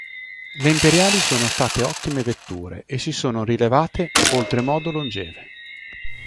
Le imperiali sono state ottime vetture e si sono rivelate oltremodo longeve.